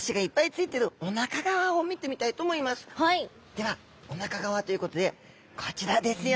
ではおなか側ということでこちらですよ！